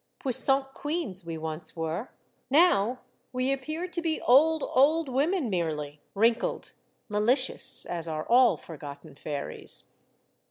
Puissant queens we once were ; now we appear to be old, old women merely, wrinkled, malicious, as are all forgotten fairies.